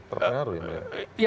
terpengaruh ini ya